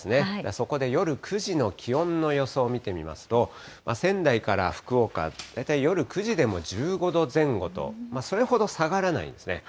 そこで夜９時の気温の予想見てみますと、仙台から福岡、大体夜９時でも１５度前後と、それほど下がらないんですね。